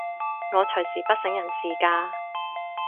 我隨時不省人事㗎